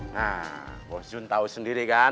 nah bos jun tau sendiri kan